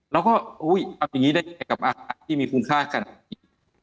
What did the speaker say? แล้วก็อุ้ยอาจารย์ที่มีคุณค่าขนาดนี้